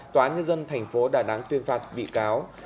tòa nhân dân thành phố đà nẵng tuyên phạt bị cáo